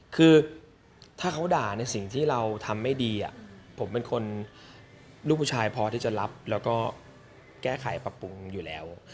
คือถ้าเขาด่าในสิ่งที่เราทำไม่ดีผมเป็นคนลูกผู้ชายพอที่จะรับแล้วก็แก้ไขปรับปรุงอยู่แล้ว